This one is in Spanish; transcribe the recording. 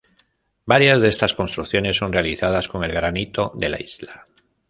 Varias de estas construcciones son realizadas con el granito de la isla.